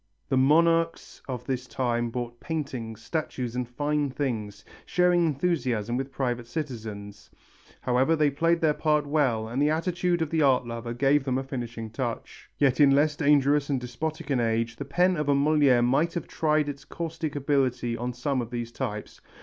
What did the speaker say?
The monarchs of this time bought paintings, statues and fine things, sharing enthusiasm with private citizens. However, they played their part well and the attitude of the art lover gave them a finishing touch. Yet in less dangerous and despotic an age the pen of a Molière might have tried its caustic ability on some of these types.